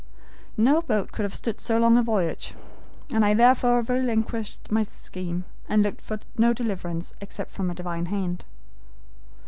No boat could have stood so long a voyage. I therefore relinquished my scheme, and looked for no deliverance except from a divine hand.